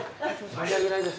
申し訳ないです。